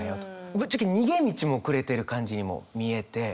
ぶっちゃけ逃げ道もくれてる感じにも見えて。